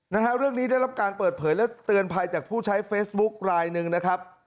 นะฮะเรื่องนี้ได้รับการเปิดเผยและเตือนภัยจากผู้ใช้เฟซบุ๊คลายหนึ่งนะครับ